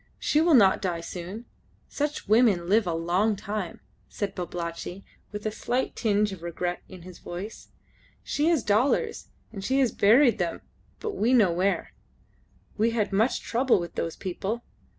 She will not die soon. Such women live a long time," said Babalatchi, with a slight tinge of regret in his voice. "She has dollars, and she has buried them, but we know where. We had much trouble with those people.